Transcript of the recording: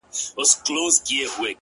خپـله گرانـه مړه مي په وجود كي ده’